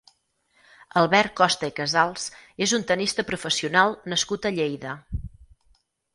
Albert Costa i Casals és un tennista professional nascut a Lleida.